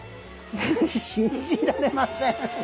信じられません！